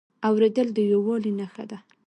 اورېدل د یووالي نښه ده.